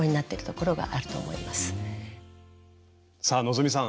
さあ希さん